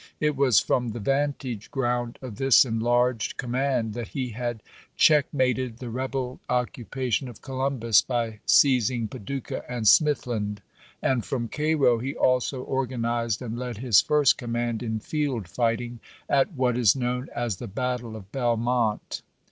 It was from the vantage gi'ound of this enlarged command that he had checkmated the rebel occupation of Columbus by seizing Padu cah and Smithland. And from Cairo he also or ganized and led his first command in field fighting, at what is known as the battle of Belmont.